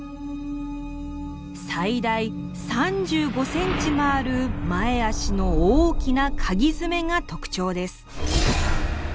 最大３５センチもある前あしの大きな鉤爪が特徴です。